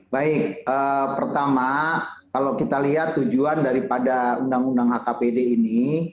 baik pertama kalau kita lihat tujuan daripada undang undang hkpd ini